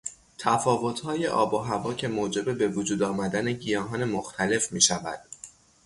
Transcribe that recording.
تفاوتهای آب و هوا که موجب بوجود آمدن گیاهان مختلف میشود.